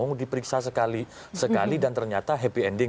mau diperiksa sekali sekali dan ternyata happy ending